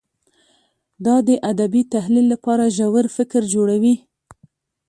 دا د ادبي تحلیل لپاره ژور فکر جوړوي.